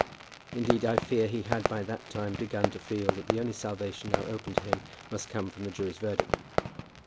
Indeed, I fear he had by that time begun to feel that the only salvation now open to him must come from the jury's verdict.